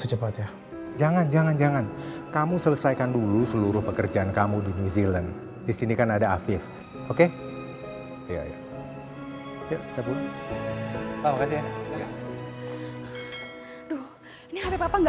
tapi sampai sekarang papa belum pulang juga